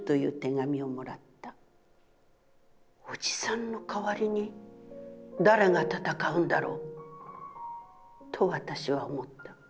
『おじさんの代りに誰が戦うんだろう？』と私は思った。